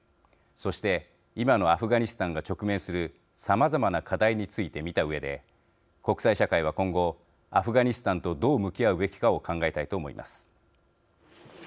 そして今のアフガニスタンが直面するさまざまな課題について見たうえで国際社会は今後アフガニスタンとどう向き合うべきかを考えたいと思います。